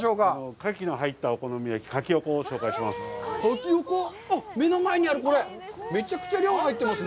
カキの入ったお好み焼き、カキオコを紹介します。